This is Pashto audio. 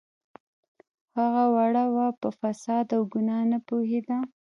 هغه وړه وه په فساد او ګناه نه پوهیده